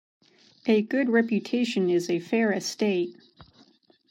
A good reputation is a fair estate.